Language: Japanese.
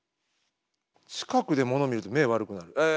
近くでモノを見ると目悪くなるえ